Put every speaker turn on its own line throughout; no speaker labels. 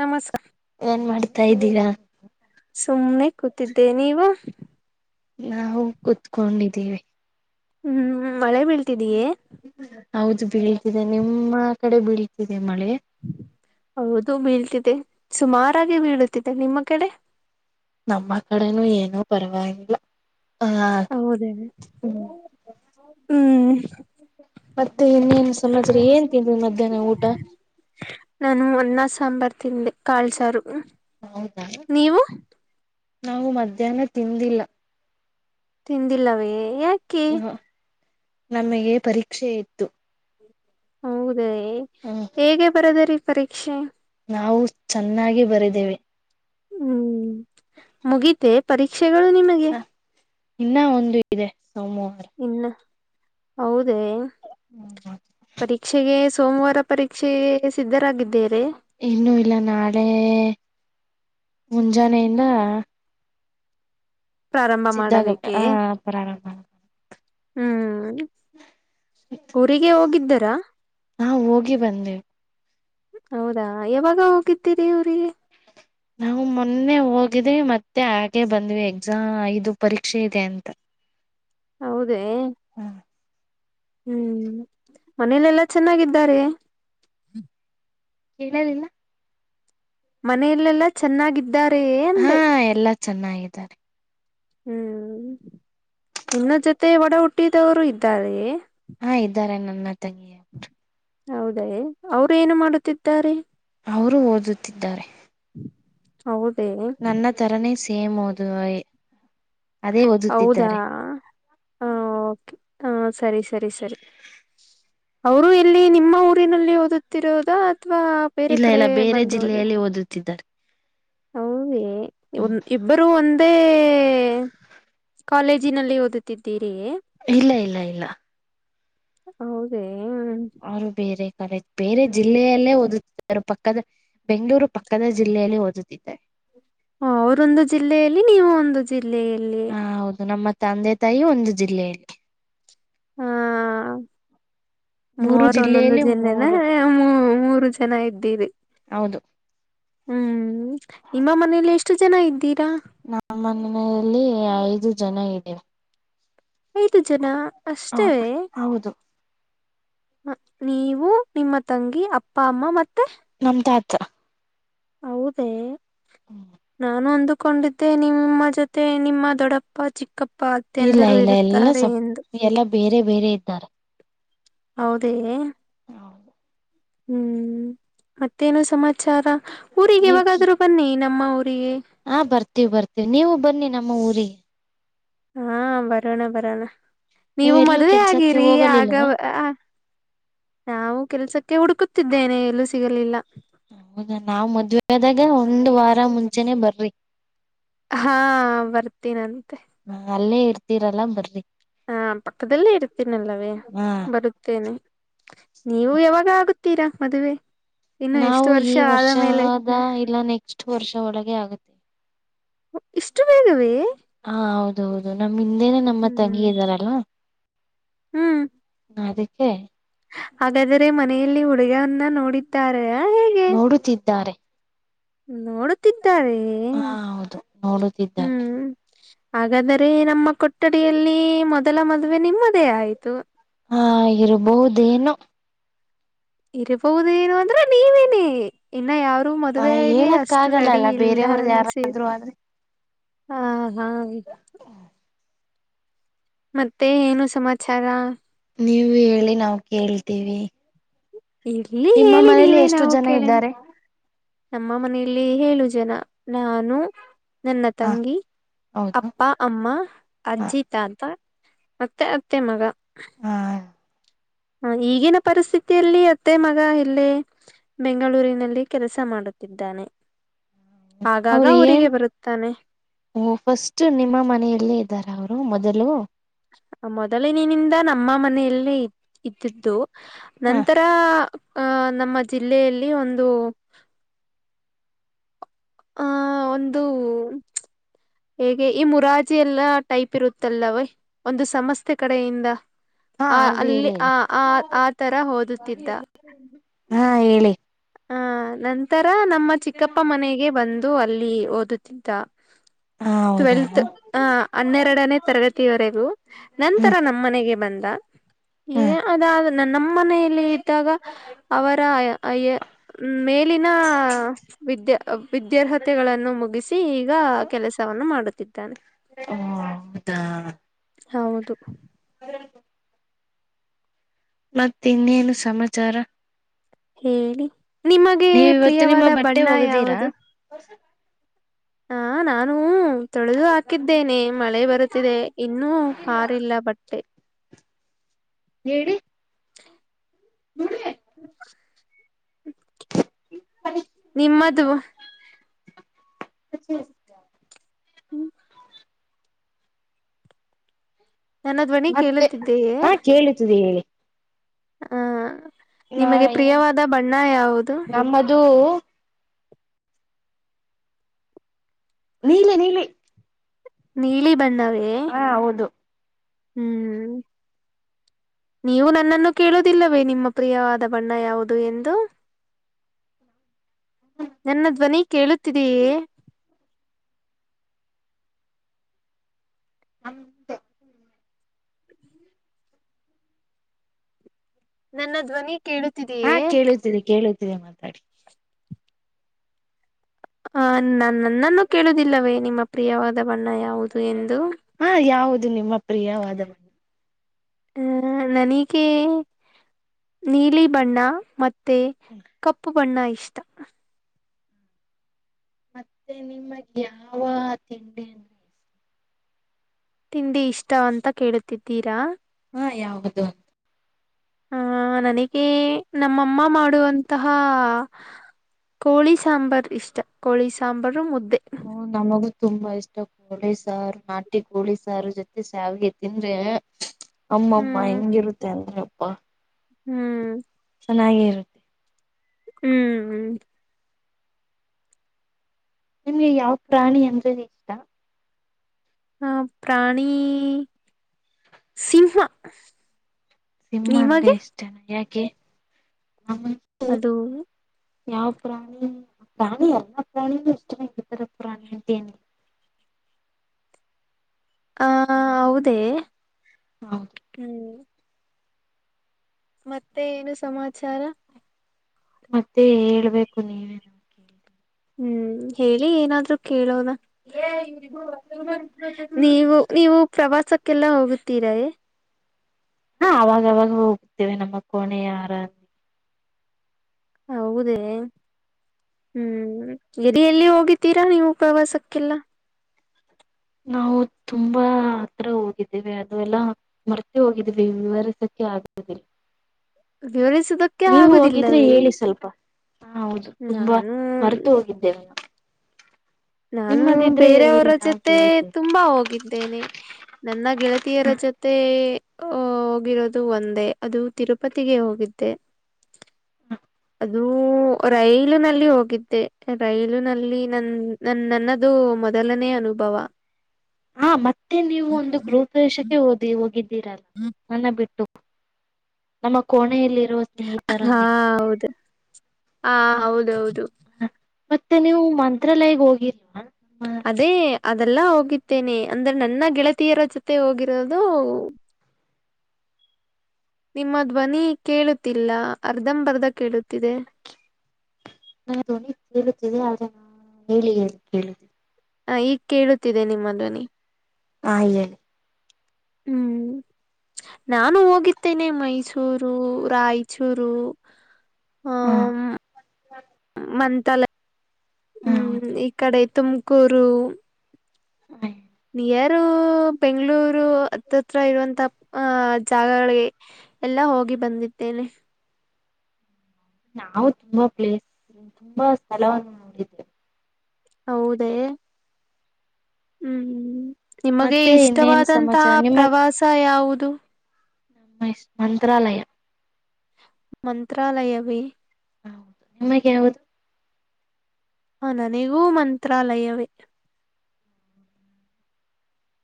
ನಮಸ್ಕಾರ
ಏನ್ ಮಾಡ್ತಾ ಇದ್ದೀರಾ
ಸುಮ್ನೆ ಕೂತಿದ್ದೆ ನೀವು
ನಾವು ಕುೂತ್ಕೊಂಡಿದ್ದೀವಿ
ಹ್ಮ್ ಮಳೆ ಬೀಳ್ತಿದೀಯೇ
ಹೌದು ಬೀಳ್ತಿದೆ ನಿಮ್ಮ ಕಡೆ ಬೀಳ್ತಿದೆ ಮಳೆ
ಹೌದು ಬೀಳ್ತಿದೆ ಸುಮಾರಾಗಿ ಬೀಳುತ್ತಿದೆ ನಿಮ್ಮ ಕಡೆ
ನಮ್ಮ ಕಡೆನೂ ಏನೂ ಪರವಾಗಿಲ್ಲ ಹ
ಹೌದೇ ಹ್ಮ್
ಮತ್ತೆ ಇನ್ನೇನ್ ಸಮಾಜ್ರ ಏನ್ ತಿಂದ್ರಿ ಮಧ್ಯಾಹ್ನ ಊಟ
ನಾನುನ್ನ ಸಾಂಬಾರ್ ತಿಂದೆ ಕಾಳ್ಸಾರು
ಹೌದಾ
ನೀವು
ನಾವು ಮಧ್ಯಾಹ್ನ ತಿಂದಿಲ್ಲ
ತಿಂದಿಲ್ಲವೇ ಯಾಕೆ
ಹ ನಮಗೆ ಪರೀಕ್ಷೆ ಇತ್ತು
ಹೌದ
ಹ್ಮ
ಹೇಗೆ ಬರದ ರೀ ಪರೀಕ್ಷೆ
ನಾವು ಚೆನ್ನಾಗಿ ಬರಿದ್ದೇವೆ
ಹ್ಮ್ ಮುಗಿತೆ ಪರೀಕ್ಷೆಗಳು ನಿಮಗೆ
ಇನ್ನ ಒಂದು ಇದೆ ಸೋಮವಾರ
ಇನ್ನು ಹೌದ ಪರೀಕ್ಷೆಗೆ ಸೋಮವಾರ ಪರೀಕ್ಷೆ ಸಿದ್ಧರಾಗಿದ್ದೇರೆ
ಇನ್ನುೂ ಇಲ್ಲ ನಾಳೆ ಮುಂಜಾನೆಯಿಂದ
ಪ್ರಾರಂಭ
ಸಿದ್ದಾಗ
ಮಾಡಬೇಕೇ
ಆ ಪ್ರಾರಂಭ
ಹ್ಮ್ ಊರಿಗೆ ಹೋಗಿದ್ದರಾ
ನಾ ಹೋಗಿ ಬಂದೆ
ಹೌದಾ ಯಾವಾಗ ಹೋಗಿದ್ದೀರಿ ಊ್ರಿಗೆ
ನಾವು ಮೊನ್ನೆ ಹೋಗಿದೀವಿ ಮತ್ತೆ ಹಾಗೆ ಬಂದ್ವಿ ಎಕ್ಸಾಮ್ ಇದು ಪರೀಕ್ಷೆ ಇದೆ ಅಂತ
ಹೌದ
ಹ್ಮ
ಹ್ಮ್ ಮನೇಲೆಲ್ಲಾ ಚೆನ್ನಾಗಿದ್ದಾರೆ
ಹೇಳಲಿಲ್ಲ
ಮನೆಯಲ್ಲೆಲ್ಲಾ ಚೆನ್ನಾಗಿದ್ದಾರೇ ಅಂದೆ
ಹ ಎಲ್ಲಾ ಚೆನ್ನಾಗಿದ್ದಾರೆ
ಹ್ಮ್ ಇನ್ನ ಜೊತೆ ಒಡ ಹುಟ್ಟಿದವರು ಇದ್ದಾರೆ
ಹಾ ಇದ್ದಾರೆ ನನ್ನ ತಂಗಿ
ಹೌದಾ ಅವ್ರ ಏನು ಮಾಡುತ್ತಿದ್ದಾರೆ
ಅವರು ಓದುತ್ತಿದ್ದಾರೆ
ಹೌದೇ
ತರಾನೇ ಸೇಮ್ ಓದು ಅದೇ
ಹೌದಾ
ಓದುತ್ತಿದ್ದಾರೆ
ಹ ಓಕೆ ಹ ಸರಿ ಸರಿ ಸರಿ ಅವರು ಇಲ್ಲಿ ನಿಮ್ಮ ಊರಿನಲ್ಲಿ ಓದುತ್ತಿರೋದ ಅಥವಾ ಬೇರೆ
ಇಲ್ಲ
ಕಡೆ
ಇಲ್ಲ ಬೇರೆ
ಬಂದೋದ
ಜಿಲ್ಲೆಯಲ್ಲಿ ಓದುತ್ತಿದ್ದಾರೆ
ಹೌದೇ
ಹ್ಮ್
ಇಬ್ಬರೂ ಒಂದೇ ಕಾಲೇಜಿನಲ್ಲಿ ಓದುತ್ತಿದ್ದೀರಿಯೇ
ಇಲ್ಲ ಇಲ್ಲ ಇಲ್ಲ
ಹೌದೇ
ಅವರು ಬೇರೆ ಕಾಲೇಜ್ ಬೇರೆ ಜಿಲ್ಲೆಯಲ್ಲೇ ಓದುತ್ತಾರ ಪಕ್ಕದ ಬೆಂಗಳೂರು ಪಕ್ಕದ ಜಿಲ್ಲೆಯಲ್ಲಿ ಓದುತ್ತಿದ್ದೆ
ಹ ಅವರೊಂದು ಜಿಲ್ಲೆಯಲ್ಲಿ ನೀವು ಒಂದು ಜಿಲ್ಲೆಯಲ್ಲಿ
ಹ ಹೌದು ನಮ್ಮ ತಂದೆ ತಾಯಿ ಒಂದು ಜಿಲ್ಲೆಯಲ್ಲಿ
[inaudible]
ಮೂರು
ಮೂವರು ಒಂದೊಂದು
ಜಿಲ್ಲೆಯಲ್ಲಿ
ಜಿಲ್ಲೆನ
ಮೂರು
ಮೂ ಮೂರು ಜನ ಇದ್ದೀರಿ
ಹೌದು
ಹ್ಮ್ ನಿಮ್ಮ ಮನೇಲಿ ಎಷ್ಟು ಜನ ಇದ್ದೀರಾ
ನಮ್ಮ ಮನೆಯಲ್ಲಿ ಐದು ಜನ ಇದೆ
ಐದು ಜನ ಅಷ್ಟೇ
ಹೌದಾ ಹೌದು
ನೀವು ನಿಮ್ಮ ತಂಗಿ ಅಪ್ಪ ಅಮ್ಮ ಮತ್ತೆ
ನಮ್ಮ ತಾತ
ಹೌದೇ
ಹ್ಮ
ನಾನು ಅಂದುಕೊಂಡಿದ್ದೆ ನಿಮ್ಮ ಜೊತೆ ನಿಮ್ಮ ದೊಡ್ಡಪ್ಪ ಚಿಕ್ಕಪ್ಪ
ಇಲ್ಲ
ಅತ್ತೆಂದರು
ಇಲ್ಲ ಎಲ್ಲ
ಇರುತ್ತಾರೆ ಎಂದು
ಎಲ್ಲ ಬೇರೆ ಬೇರೆ ಇದ್ದಾರೆ
ಹೌದೇ ಹ್ಮ್ ಮತ್ತೇನು ಸಮಾಚಾರ
ನೀವ್
ಊರಿಗೆವಾಗಾದ್ರೂ ಬನ್ನಿ ನಮ್ಮ ಊರಿಗೆ
ಹಾ ಬರ್ತೀವಿ ಬರ್ತೀವಿ ನೀವು ಬನ್ನಿ ನಮ್ಮ ಊರಿಗೆ
ಹಾ ಬರೋಣ ಬರೋಣ ನೀವು
ಎಲ್ಲೂ
ಮದ್ವೆ
ಕೆಲ್ಸಕ್ಕೆ
ಆಗಿರಿ ಆಗ
ಹೋಗಲಿಲ್ವಾ
ನಾವು ಕೆಲ್ಸಕ್ಕೆ ಹುಡುಕುತ್ತಿದ್ದೇನೆ ಎಲ್ಲೂ ಸಿಗಲಿಲ್ಲ
ಹೌದಾ ನಾವ್ ಮದ್ವೆ ಆದಾಗ ಒಂದ್ ವಾರ ಮುಂಚೆನನೆ ಬರ್ರಿ
ಹಾ ಬರ್ತೀನಂತೆ
ಹ ಅಲ್ಲೇ ಇರ್ತೀರಲ್ಲ ಬರೀ
ಹಾ ಪಕ್ಕದಲ್ಲೇ ಇರ್ತೀನಲ್ಲವೇ
ಹಾ
ಬರುತ್ತೇನೆ ನೀವು ಯಾವಾಗ ಆಗುತ್ತೀರಾ ಮದುವೆ ಇನ್ನು
ನಾವು
ಎಷ್ಟು ವರ್ಷ
ಈ
ಆದ ಮೇಲೆ
ವರ್ಷದ ಇಲ್ಲ ನೆಕ್ಸ್ಟ್ ವರ್ಷ ಒಳಗೆ ಆಗುತ್ತೆ
ಇಷ್ಟು ಬೇಗವೇ
ಹಾ ಹೌದ ಹೌದು ನಮ್ ಹಿಂದೇನೆ ನಮ್ಮ ತಂಗಿ
ಹ್ಮ್
ಇದ್ದಾರಲ್ಲ
ಹ್ಮ್
ನದಕ್ಕೆ
ಹಾಗಾದ್ರೆ ಮನೆಯಲ್ಲಿ ಹುಡುಗವನ್ನ ನೋಡಾರ
ನೋಡುತ್ತಿದ್ದಾರೆ
ನೋಡುತ್ತಿದ್ದಾರೆ
ಹಾ ಹೌದು ನೋಡುತ್ತಿದ್ದಾರೆ
ಹ್ಮ್ ಹಾಗಾದರೆ ನಮ್ಮ ಕೊಠಡಿಯಲ್ಲಿ ಮೊದಲ ಮದುವೆ ನಿಮ್ಮದೇ ಆಯ್ತು
ಹಾಗಿರಬಹದೇನು
ಇರಬಹುದೇಏನು ಅಂದ್ರೆ ನೀವೇನ ಇನ್ನ ಯಾರೂ ಮದ್ುವೆಗೆ
ಹೇಳಕ್
ಅಷ್ಟು ರೆಡಿ
ಆಗಲ್ಲಲ್ಲ
ಇಲ್ಲ
ಬೇರೆಯವ್ರ್ದ
ಅನ್ಸಿದ
ಯಾರಾದ್ರು ಆದ್ರೆ
ಹಾ, ಹಾ ಮತ್ತೆ ಏನು ಸಮಾಚಾರ,
ನೀವು ಹೇಳಿ ನಾವು ಕೇಳ್ತೀವಿ,
ಇರ್ಲಿ
ನಿಮ್ಮ
ಹೇಳಿ
ಮನೇಲಿ
ನೀವೇನ್
ಎಷ್ಟು
ನಾವ
ಜನ
ಕೇಳನ.
ಇದ್ದಾರೆ
ನಮ್ಮ ಮನೆಯಲ್ಲಿ ಏಳು ಜನ ನಾನು, ನನ್ನ
ಹ
ತಂಗಿ,
ಹೌದು
ಅಪ್ಪ, ಅಮ್ಮ,
ಹ
ಅಜ್ಜಿ, ತಾತ, ಮತ್ತೆ ಅತ್ತೆ ಮಗ,
ಹ್ಮ,
ಹ ಈಗಿನ ಪರಿಸ್ಥಿತಿಯಲ್ಲಿ ಅತ್ತೆ ಮಗ ಇಲ್ಲೇ, ಬೆಂಗಳೂರಿನಲ್ಲಿ ಕೆಲಸ ಮಾಡುತ್ತಿದ್ದಾನೆ.
ಅವ್ರು
ಆಗಾಗ
ಏನ್
ಊರಿಗೆ ಬರುತ್ತಾನೆ.
ಓ ಫಸ್ಟ್ ನಿಮ್ಮ ಮನಲ್ಲೇ ಇದ್ದಾರ ಅವರು. ಮೊದಲು,
ಮೊದಲಿನನಿಂದ ನಮ್ಮ ಮನೆಯಲ್ಲಿ ಇ ಇದ್ದಿದ್ದು.
ಹ
ನಂತರ ಅಹ ನಮ್ಮ ಜಿಲ್ಲೆಯಲ್ಲಿ ಒಂದು, ಆ ಒಂದು, ಹೇಗೆ ಈ ಮುರಾಜಿ ಎಲ್ಲಾ ಟೈಪ್ ಇರುತ್ತಲ್ಲವೆ ಒಂದು ಸಮಸ್ತ ಕಡೆಯಿಂದ,
ಹಾ
ಆ
ಹೌದು
ಅಲ್ಲಿ
ಹೇಳಿ
ಆ
ಹೇಳಿ
ಆ ಆ ತರ ಓದುತ್ತಿದ್ದ.
ಹಾ ಹೇಳಿ,
ಹ ನಂತರ ನಮ್ಮ ಚಿಕ್ಕಪ್ಪ ಮನೆಗೆ ಬಂದು ಅಲ್ಲಿ ಓದುತ್ತಿದ್ದ.
ಹ ಹೌದಾ
ಟ್ವೆಂವೆಲ್ತ್.
ಹ್ಮ
ಹ ಹನ್ನೆರಡನೇ ತರಗತಿವರೆಗೂ, ನಂತರ ನಮ್ಮ ಮನೆಗೆ ಬಂದ.
ಹ್ಮ
ಏ ಅದಾದ ನಮ್ಮ ಮನೆಯಲ್ಲಿ ಇದ್ದಾಗ ಅವರ ಅ ಅಯ್. ಮೇಲಿನ, ವಿದ್ಯಾ ವಿದ್ಯಾರ್ಹತೆಗಳನ್ನು ಮುಗಿಸಿ ಈಗ ಕೆಲಸವನ್ನು ಮಾಡುತ್ತಿದ್ದಾನೆ.
ಓ ಹೌದಾ,
ಹೌದು,
[inaudible] ಮತ್ತೆ ಇನ್ನೇನು ಸಮಾಚಾರ,
ಹೇಳಿ ನಿಮಗೆ
ನೀವ ಇವತ್ತು ನಿಮ್ಮ
ಪ್ರಿಯವಾದ
ಬಟ್ಟೆ
ಬಣ್ಣ
ಒಗದೀರಾ
ಯಾವುದು, ಹಾ ನಾನು ತೊಳೆದು ಹಾಕಿದ್ದೇನೆ ಮಳೆ ಬರುತ್ತಿದೆ. ಇನ್ನುೂ ಪಾರಿಲ್ಲ ಬಟ್
ಹೇಳಿ, [inaudible]
ನಿಮ್ಮ ದ್ವ
[inaudible]
ನನ್ನ ಧ್ವನಿ
ಮತ್ತೆ
ಕೇಳುತ್ತಿದ್ದೇಯೇ.
ಹಾ ಕೇಳುತ್ತಿದೆ ಹೇಳಿ
ಆ, ನಿಮಗೆ ಪ್ರಿಯವಾದ ಬಣ್ಣ ಯಾವುದು,
ಮದು, ನೀಲಿ, ನೀಲಿ
ನೀಲಿ ಬಣ್ಣವೇ,
ಹ ಹೌದು,
ಹ್ಮ್, ನೀವು ನನ್ನನ್ನು ಕೇಳುವುದಿಲ್ಲವೇ ನಿಮ್ಮ ಪ್ರಿಯವಾದ ಬಣ್ಣ ಯಾವುದು ಎಂದು, ನನ್ನ ಧ್ವನಿ ಕೇಳುತ್ತಿದೆಯೇ,
[inaudible]
ನನ್ನ ಧ್ವನಿ
ಹಾ
ಕೇಳುತ್ತಿದೀಯೇ,
ಕೇಳುತ್ತಿದೆ ಕೇಳುತ್ತಿದೆ ಮಾತಾಡಿ,
ಆ ನ ನನ್ನನ್ನು ಕೇಳುವುದಿಲ್ಲವೇ ನಿಮ್ಮ ಪ್ರಿಯವಾದ ಬಣ್ಣ ಯಾವುದು ಎಂದು
ಹಾ ಯಾವುದು ನಿಮ್ಮ ಪ್ರಿಯವಾದ ಮಣ
ಹಹ ನನಗೆ ನೀಲಿ ಬಣ್ಣ ಮ ಕಪ್ಪು ಬಣ್ಣ ಇಷ್ಟ
ಮತ್ತೆ ನಿಮಗ್ ಯಾವ ತಿಂಡಿ ಅಂದ
ತಿಂಡಿ ಇಷ್ಟ ಅಂತ ಕೇಳುತ್ತಿದ್ದೀರಾ
ಹಾ ಯಾವುದು
ಹ ನನಗೆ ನಮ್ಮಮ್ಮ ಮಾಡುವಂತಹ ಕೋಳಿ ಸಾಂಬಾರ್ ಇಷ್ಟ ಕೋಳಿ ಸಾಂಬಾರು ಮುದ್ದೆ
ನಮಗು ತುಂಬಾ ಇಷ್ಟ ಕೋಳಿ ಸಾರು ನಟಿ ಕೋಳಿ ಸಾರು ಜೊತೆ ಸಾವಿಗೆ ತಿಂದ್ರೆ ಅಮ್ಮ ಅಮ್ಮ
ಹ್ಮ್
ಹೆಂಗಿರುತ್ತೆ ಅಂದ್ರ ಅಪ್ಪಾ
ಹ್ಮ್
ಚೆನ್ನಾಗಿರು
ಹ್ಮ್
ನಿಮ್ಗೆ ಯಾವ ಪ್ರಾಣಿ ಅಂದ್ರೆ ಇಷ್ಟ
ಆ ಪ್ರಾಣಿ ಸಿಂಹ
ಸಿಂಹ ಅಂದ್ರೆ
ನಿಮಗೆ
ಇಷ್ಟನ ಯಾಕೆ
ಅದು
ಯಾವ ಪ್ರಾಣಿ ಪ್ರಾಣಿ ಎಲ್ಲ ಪ್ರಾಣಿೂ ಇಷ್ಟನ ಇದರ ಪ್ರಾಣಿ ಅಂತೇಏನ್
ಹ ಹೌದ
ಹೌದು
ಹ್ಮ ಮತ್ತೆ ಏನು ಸಮಾಚಾರ
ಮತ್ತೆ ಹೇಳ್ಬೇಕು ನೀವೇ ನಾ ಕೇಳಿದೆ.
ಹ್ಮ್ ಹೇಳಿ ಏನಾದ್ರು ಕೇಳೋದ ನೀವು ನೀವು ಪ್ರವಾಸಕ್ಕೆಲ್ಲ ಹೋಗುತ್ತೀರ
ಹ ಅವಾಗವಾಗ ಹೋಗ್ತೇವೆ ನಮ್ಮ ಕೋಣೆ ಯಾರಂತ
ಹೌದೇ ಹ್ಮ್ ಎದ ಎಲ್ಲಿ ಹೋಗಿತೀರಾ ನೀವು ಪ್ರವಾಸಕ್ಕೆಲ್ಲ
ನಾವು ತುಂಬಾ ಹತ್ರ ಹೋಗಿದ್ದವಿ ಅದು ಎಲ್ಲ ಮರ್ತ ಹೋಗಿದ್ ವಿವರಿಸಕ್ಕೆ ಆಗುದಿಲ್ಲ
ವಿವರಿಸಿದಕ್ಕೆ
ನೀವು ಹೋಗಿದ್ರೆ ಹೇಳಿ ಸ್ವಲ್ಪ ಹಾ ಹೌದು ತುಂಬಾ
ನಾನು
ಹೊರೆತು ಹೋಗಿದ್ದೇವೆಾನು
ನಾನು ಬೇರೆಯವರ ಜೊತೆ
ಕೇಳ್ತೇವೆ
ತುಂಬಾ ಹೋಗಿದ್ದೇನೆ ನನ್ನ ಗೆಳತಿಯರ ಜೊತೆ ಹೋಗಿರೋದು ಒಂದೇ ಅದು ತಿರುಪತಿಗೆ ಹೋಗಿದ್ದೆ ಅದುೂ ರೈಲು ನಲ್ಲಿ ಹೋಗಿದ್ದೆ ರೈಲು ನಲ್ಲಿ ನನ್ ನನ್ ನನ್ನದು ಮೊದಲನೇ ಅನುಭವ
ಹಾ ಮತ್ತೆ ನೀವು ಒಂದು ಗೃಹ ಪ್ರದೇಶಕ್ಕೆ ಓದಿ ಹೋಗಿದ್ದೀರಲ್ಲ ನನ್ನ ಬಿಟ್ಟು ನಮ್ಮ ಕೋಣೆಯಲ್ಲಿರುವ
ಹಾ
ಸ್ನೇಹಿತರೊಂದಿಗೆ
ಹೌದು ಹ ಹೌದೌದು
ಮತ್ತೆ ನೀವು ಮಂತ್ರಾಲಯಗ್ ಹೋಗಿರಲ್ವಾ
ಅದೇ ಅದೆಲ್ಲ ಹೋಗಿದ್ದೇನೆ ಅಂದ್ರೆ ನನ್ನ ಗೆಳತಿಯರ ಜೊತೆ ಹೋಗಿರೋದು [unintelligible] ನಿಮ್ಮ ಧ್ವನಿ ಕೇಳುತ್ತಿಲ್ಲ ಅರ್ಧಂಬರ್ಧ ಕೇಳುತ್ತಿದೆ
ನಾ ಧ್ವನಿ ಕೇಳುತ್ತಿದೆ ಆದ್ರ ಹೇಳಿ ಅ ಕೇಳಿ [unintelligible]
ಹ ಈಗ್ ಕೇಳುತ್ತಿದೆ ನಿಮ್ಮ ಧ್ವನಿ
ಹಾ ಇಲ್ಲೇ
ಹ್ಮ್ ನಾನು ಹೋಗಿದ್ದೇನೆ ಮೈಸೂರು ರಾಯಚೂರು ಆ
ಹಾ
ಮಂತಾಲ
ಹ
ಹ್ಮ್
ಹೌದಾ
[inaudible] ಇಕಡೆ ತುಮಕೂರು
ಹ
ನಿಯರು ಬೆಂಗಳೂರು ಹತ್ತತ್ರ ಇರುವಂತ ಅಹ ಜಾಗಗಳಿಗೆ ಎಲ್ಲ ಹೋಗಿ ಬಂದಿದ್ದೇನೆ
ನಾವು ತುಂಬಾ ಪ್ಲೇಸ್ ತುಂಬಾ ಸ್ಥಳವನ್ನು ನೋಡಿದ್ವಿ
ಹೌದೇ ಹ್ಮ್್ಮ ನಿಮಗೆ
ಮತ್ತೆ ಇನ್ನೇನ್
ಇಷ್ಟವಾದಂತಹ
ಸಮಾಚಾರ
ಪ್ರವಾಸ ಯಾವುದು
ನಮ್ಮ ಮಂತ್ರಾಲಯ
ಮಂತ್ರಾಲಯವ
ಹೌದು ನಿಮಗೆ ಯಾವದು
ಹ ನನಗೂ ಮಂತ್ರಾಲಯವೇ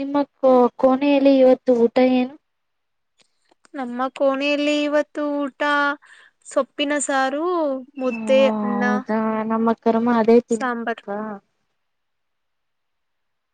ನಿಮ್ಮ ಕೋನೆಯಲ್ಲಿ ಇವತ್ತು ಊಟ ಏನು
ನಮ್ಮ ಕೋಣೆಯಲ್ಲಿ ಇವತ್ತು ಊಟ ಸೊಪ್ಪ ತಪ್ಪಿನ ಸಾರು ಮುದ್ದೆ ಅನ್ನ
ಅಕರಮ ಅದೇ
ಸಾಂಬಾರ್
ತಿೀಪಾ